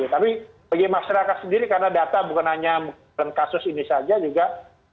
tapi bagi masyarakat sendiri karena data bukan hanya dalam kasus ini saja juga